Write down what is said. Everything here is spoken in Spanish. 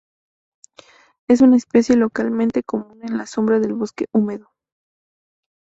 Es una especie localmente común en la sombra del bosque húmedo.